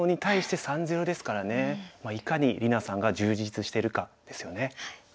まあいかに里菜さんが充実してるかですよね。